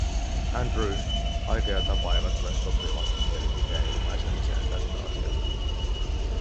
Andrews, aika ja tapa eivät ole sopivat mielipiteen ilmaisemiseen tästä asiasta.